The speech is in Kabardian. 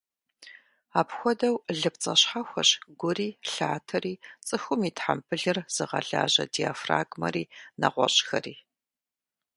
Апхуэдэу, лыпцӏэ щхьэхуэщ гури, лъатэри, цӏыхум и тхьэмбылыр зыгъэлажьэ диафрагмэри, нэгъуэщӏхэри.